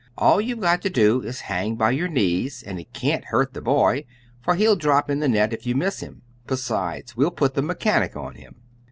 All you've got to do is hang by your knees, and it can't hurt the boy, for he'll drop in the net if you miss him. Besides, we'll put the 'mechanic' on him."